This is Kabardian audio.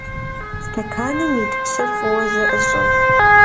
Stekanım yit psır f'ıue ze'ış'e.